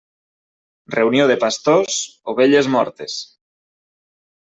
Reunió de pastors, ovelles mortes.